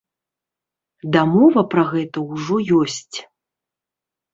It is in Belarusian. Дамова пра гэта ўжо ёсць.